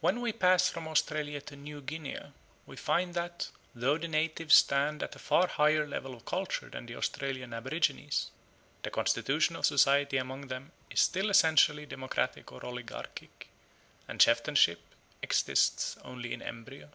When we pass from Australia to New Guinea we find that, though the natives stand at a far higher level of culture than the Australian aborigines, the constitution of society among them is still essentially democratic or oligarchic, and chieftainship exists only in embryo.